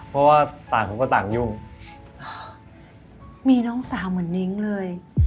เพราะว่าต่างคนก็ต่างยุ่งมีน้องสาวเหมือนนิ้งเลย